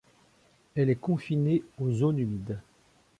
Elle est confiné aux zones humides.